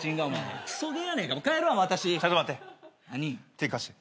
手ぇ貸して。